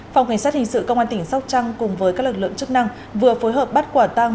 phòng cảnh sát hình sự công an tỉnh sóc trăng cùng với các lực lượng chức năng vừa phối hợp bắt quả tang